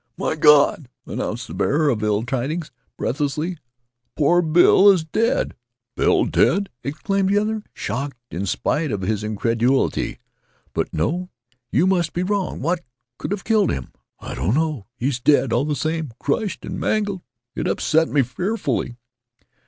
"My God!" announced the bearer of ill tidings, breathlessly. "Poor Bill is dead !" "Bill dead!" exclaimed the other, shocked in spite of his incredulity; "but no, you must be wrong — what could have killed him?" "I don't know; he's dead all the same — crushed and mangled — it upset me fearfully."